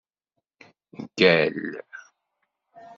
Gall!